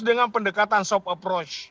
dengan pendekatan soft approach